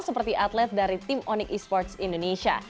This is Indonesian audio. seperti atlet dari tim onic e sports indonesia